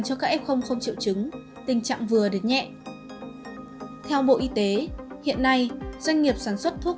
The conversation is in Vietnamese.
cho các f không triệu chứng tình trạng vừa đến nhẹ theo bộ y tế hiện nay doanh nghiệp sản xuất thuốc